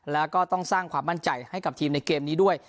แล้วก็ต้องสร้างความมั่นใจให้กับทีมในเกมนี้ด้วย